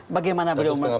bagaimana beliau mau